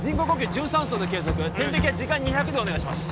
純酸素で継続点滴は時間２００でお願いします